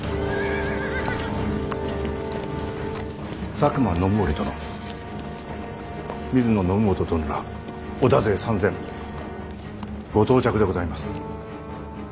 佐久間信盛殿水野信元殿ら織田勢３，０００ご到着でございます。